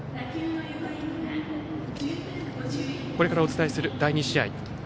これからお伝えする第２試合。